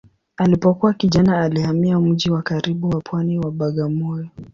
Alipokuwa kijana alihamia mji wa karibu wa pwani wa Bagamoyo.